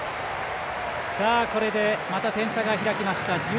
これで、また点差が開きました。